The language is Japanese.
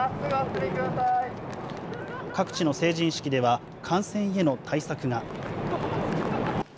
各地の成人式では感染への対策が。